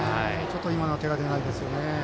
今のは手が出ないですよね。